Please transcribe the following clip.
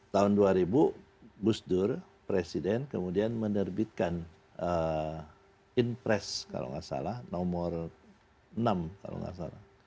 tahun dua ribu busdur presiden kemudian menerbitkan inpres kalau gak salah nomor enam kalau gak salah